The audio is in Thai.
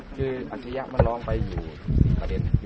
ก็บรรทียะมร้องไปอยู่สินค่ะเดช